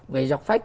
về dọc phách